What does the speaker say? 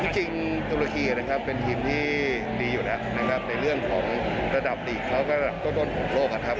จริงตุรคีนะครับเป็นทีมที่ดีอยู่แล้วนะครับในเรื่องของระดับลีกแล้วก็ต้นของโลกนะครับ